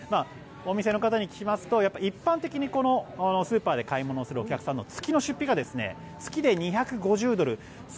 お店の方に聞きますと一般的にスーパーで買い物をするお客さんの月の出費が月で２５０ドル